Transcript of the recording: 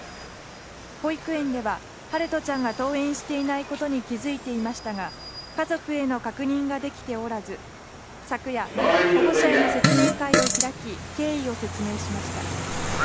保育園では、陽翔ちゃんが登園していないことに気付いていましたが、家族への確認ができておらず、昨夜、保護者への説明会を開き、経緯を説明しました。